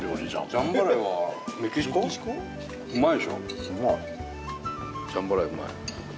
ジャンバラヤうまい。